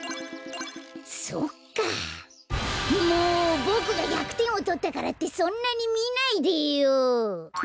もうボクが１００てんをとったからってそんなにみないでよ！